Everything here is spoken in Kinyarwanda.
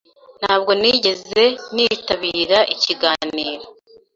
Ntabwo nigeze nitabira ikiganiro.